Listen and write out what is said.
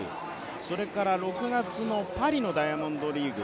それから６月のパリのダイヤモンドリーグ